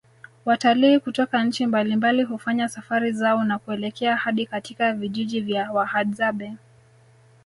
Watalii kutoka nchi mbalimbali hufanya safari zao na kuelekea hadi katika vijiji vya wahadzabe